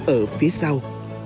ở phía sau